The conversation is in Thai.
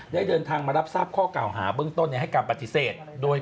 เดินทางมารับทราบข้อเก่าหาเบื้องต้นให้การปฏิเสธโดย